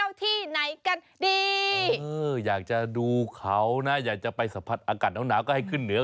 อยากจะดูเขานะอยากจะไปสัมผัสอากาศน้ำหนาวก็ให้ขึ้นเหนือ